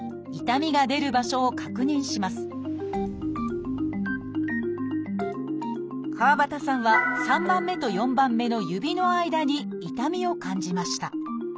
痛みが出る場所を確認しますかわばたさんは３番目と４番目の指の間に痛みを感じました。